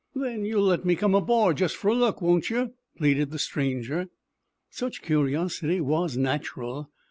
"Then you'll let me come aboard, just for a look, won't you?" pleaded the stranger. Such curiosity was natural.